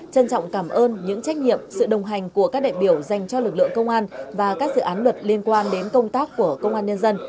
trân trọng cảm ơn những trách nhiệm sự đồng hành của các đại biểu dành cho lực lượng công an và các dự án luật liên quan đến công tác của công an nhân dân